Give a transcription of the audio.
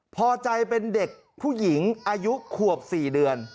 พอใจเป็นเด็กผู้หญิงอายุขวบ๔เดือน